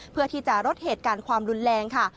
เพื่อที่จะลดเหตุการณ์ความรุนแรงค่ะ